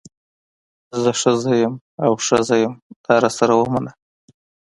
زه ښځه یم او ښځه یم دا راسره ومنه.